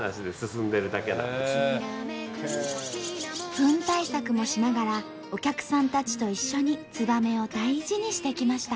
フン対策もしながらお客さんたちと一緒にツバメを大事にしてきました。